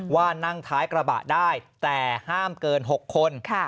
ว่านั่งท้ายกระบะได้แต่ห้ามเกิน๖คน